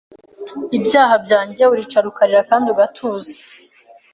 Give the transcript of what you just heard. ibyaha byanjye uricara ukarira Kandi ugatuza